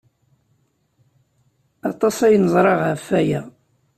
Aṭas ay neẓra ɣef waya.